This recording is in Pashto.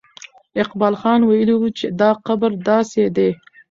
اقبال خان ویلي وو چې دا قبر داسې دی.